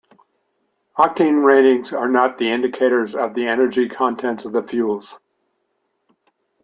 Octane ratings are not indicators of the energy content of fuels.